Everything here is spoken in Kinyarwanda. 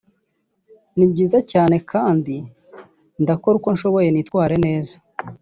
ni byiza cyane kandi ndakora uko nshoboye nitware neza